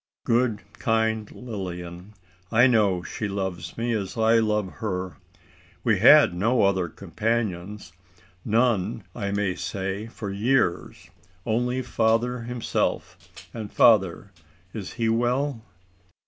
"Good kind Lil! I know she loves me as I love her we had no other companions none I may say for years, only father himself. And father is he well?"